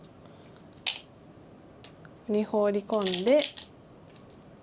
ここにホウリ込んで。